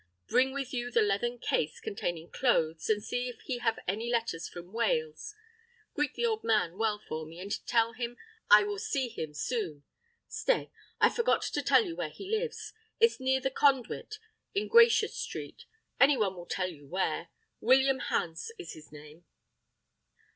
Bring with you the leathern case containing clothes, and see if he have any letters from Wales. Greet the old man well for me, and tell him I will see him soon. Stay; I forgot to tell you where he lives; it's near the Conduit in Gracious Street, any one near will tell you where. William Hans is his name."